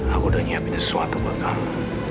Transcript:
aku udah nyiapin sesuatu buat aku